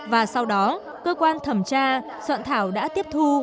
và sau đó cơ quan thẩm tra soạn thảo đã tiếp thu